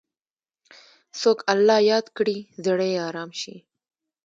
څوک الله یاد کړي، زړه یې ارام شي.